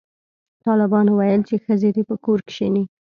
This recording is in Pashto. طالبانو ویل چې ښځې دې په کور کښېني